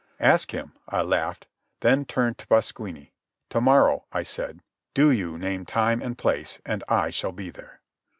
"Ask him," I laughed, then turned to Pasquini. "To morrow," I said. "Do you name time and place, and I shall be there."